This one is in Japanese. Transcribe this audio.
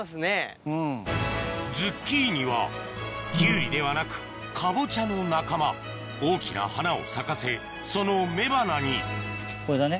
ズッキーニはキュウリではなくカボチャの仲間大きな花を咲かせその雌花にこれだね。